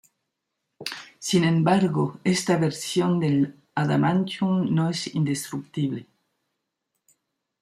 Sin embargo esta versión del adamantium no es indestructible.